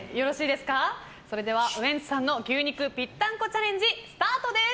それではウエンツさんの牛肉ぴったんこチャレンジスタートです！